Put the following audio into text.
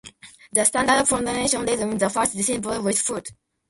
The standard pronunciation rhymes the first syllable with "foot".